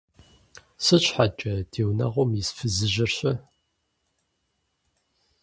Сыт щхьэкӀэ, ди унагъуэм ис фызыжьыр-щэ?